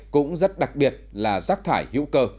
cũng rất đặc biệt là rác thải hữu cơ